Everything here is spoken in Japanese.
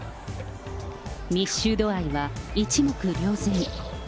密集度合いは一目瞭然。